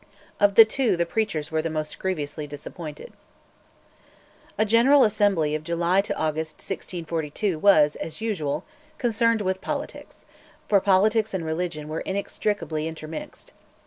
Of the two the preachers were the more grievously disappointed. A General Assembly of July August 1642 was, as usual, concerned with politics, for politics and religion were inextricably intermixed.